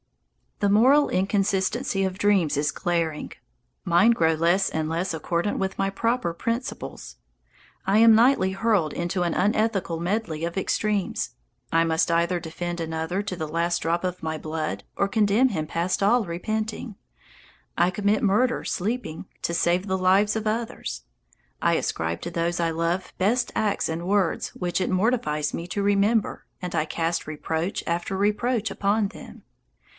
The moral inconsistency of dreams is glaring. Mine grow less and less accordant with my proper principles. I am nightly hurled into an unethical medley of extremes. I must either defend another to the last drop of my blood or condemn him past all repenting. I commit murder, sleeping, to save the lives of others. I ascribe to those I love best acts and words which it mortifies me to remember, and I cast reproach after reproach upon them.